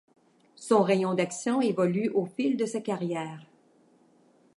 Son rayon d'action évolue au fil de sa carrière.